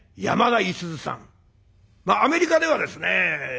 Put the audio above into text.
アメリカではですね